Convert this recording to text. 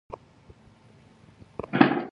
The present name is after the island of Malta.